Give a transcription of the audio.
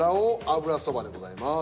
油そばでございます。